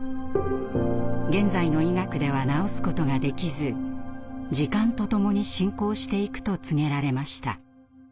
現在の医学では治すことができず時間とともに進行していくと告げられました。